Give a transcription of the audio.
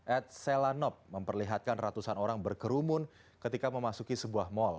adselanop memperlihatkan ratusan orang berkerumun ketika memasuki sebuah mal